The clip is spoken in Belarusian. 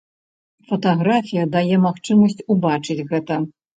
Фатаграфія дае магчымасць убачыць гэта.